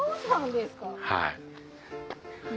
はい。